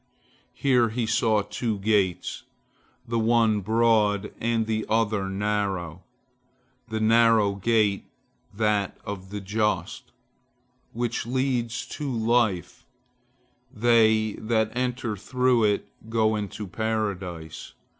Here he saw two gates, the one broad and the other narrow, the narrow gate that of the just, which leads to life, they that enter through it go into Paradise.